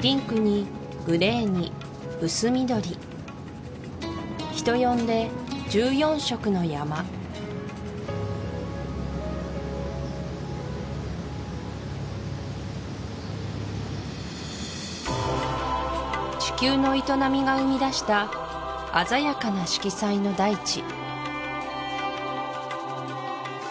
ピンクにグレーに薄緑人呼んで１４色の山地球の営みが生み出した鮮やかな色彩の大地